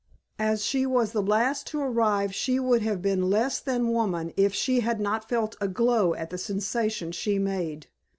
As she was the last to arrive she would have been less than woman if she had not felt a glow at the sensation she made.